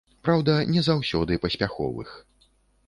Праўда, не заўсёды паспяховых.